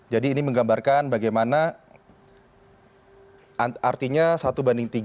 ini menggambarkan bagaimana artinya satu banding tiga